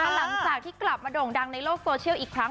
หลังจากที่กลับมาโด่งดังในโลกโซเชียลอีกครั้ง